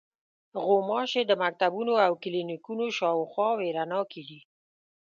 غوماشې د مکتبونو او کلینیکونو شاوخوا وېره ناکې دي.